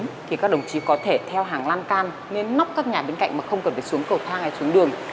thì các đồng chí có thể theo hàng lan can nên nóc các nhà bên cạnh mà không cần phải xuống cầu thang hay xuống đường